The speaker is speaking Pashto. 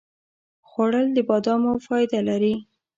خوړل د بادامو فایده لري